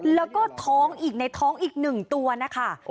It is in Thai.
แล้วก็ในท้องอีก๑ตัวนะคะ